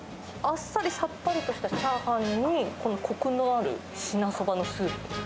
あっさり、さっぱりとしたチャーハンに、このこくのある志那そばのスープ。